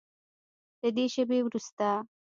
له دې شیبې وروسته